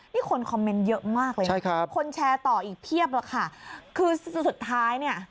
นี่คนคอมเมนต์เยอะมากเลยนะใช่ครับคนแชร์ต่ออีกเพียบหรอกค่ะคือสุดท้ายเนี่ย